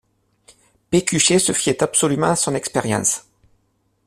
Pécuchet se fiait absolument à son expérience.